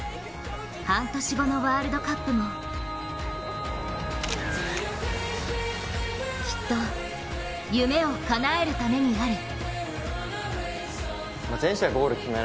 半年後のワールドカップもきっと夢をかなえるためにある。